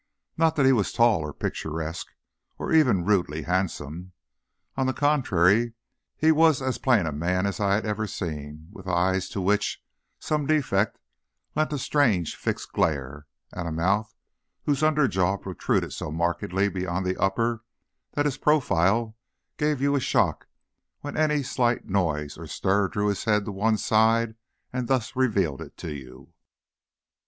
Not that he was tall or picturesque, or even rudely handsome. On the contrary, he was as plain a man as I had ever seen, with eyes to which some defect lent a strange, fixed glare, and a mouth whose under jaw protruded so markedly beyond the upper that his profile gave you a shock when any slight noise or stir drew his head to one side and thus revealed it to you.